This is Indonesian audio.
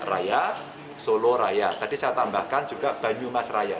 raya solo raya tadi saya tambahkan juga banyumas raya